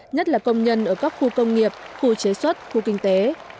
nhất là công nhân ở các khu công nghiệp khu chế xuất khu kinh tế